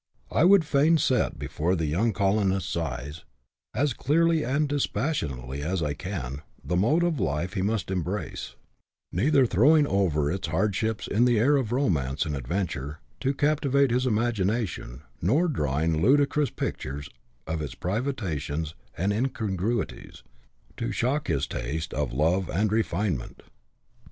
I would fain set before the young colonist's eyes, as clearly and dispassionately as I can, the mode of life he must embrace ; neither throwing over its hardships the air of romance and adventure, to captivate his imagination, nor drawing ludicrous pictures of its privations and incongruities, to shock his taste and love of refinement.